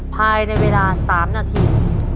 ภายในเวลา๓นาที